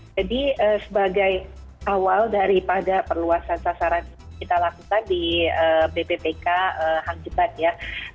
jadi sebagai awal daripada perluasan sasaran ini kita lakukan di bbpk hang jebat ya